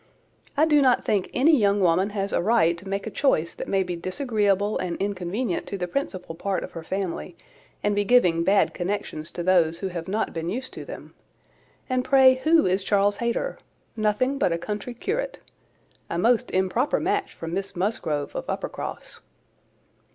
I do not think any young woman has a right to make a choice that may be disagreeable and inconvenient to the principal part of her family, and be giving bad connections to those who have not been used to them. And, pray, who is Charles Hayter? Nothing but a country curate. A most improper match for Miss Musgrove of Uppercross."